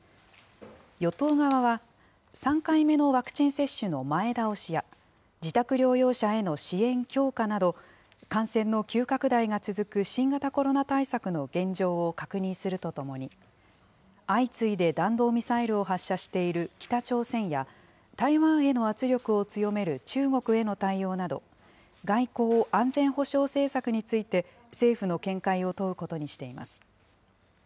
与党側は、３回目のワクチン接種の前倒しや、自宅療養者への支援強化など、感染の急拡大が続く新型コロナ対策の現状を確認するとともに、相次いで弾道ミサイルを発射している北朝鮮や、台湾への圧力を強める中国への対応など、外交・安全保障政策について、政府の見解を問うことにしています。